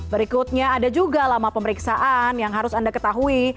berikutnya ada juga lama pemeriksaan yang harus anda ketahui